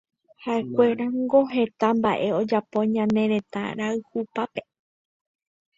Ha'ekuérango heta mba'e ojapo ñane retã rayhupápe.